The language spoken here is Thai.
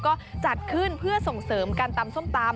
ก็จัดขึ้นเพื่อส่งเสริมการตำส้มตำ